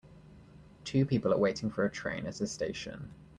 two people are waiting for a train at a station.